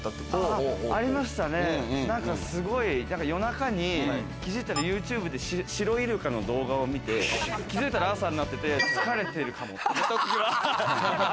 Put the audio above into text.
夜中に気づいたらＹｏｕＴｕｂｅで、シロイルカの動画を見て、気づいたら朝になってて、疲れてるかもって。